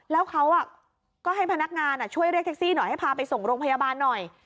แล้วเขาก็ให้พนักงานช่วยเรียกแท็กซี่หน่อยให้พาไปส่งโรงพยาบาลหน่อย